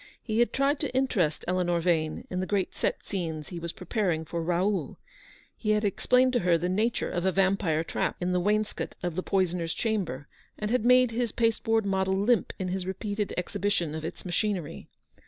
He had tried to interest Eleanor Yane in the great set scenes he was pre paring for Raoid. He had explained to her the nature of a vampire trap in the wainscot of the poisoner's chamber, and had made his pasteboard model limp in his repeated exhibition of its machinery.